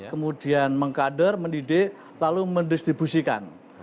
kemudian mengkader mendidik lalu mendistribusikan